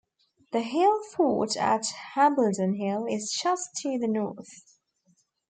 The hill fort at Hambledon Hill is just to the north.